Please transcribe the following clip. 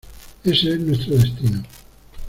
Ése es nuestro destino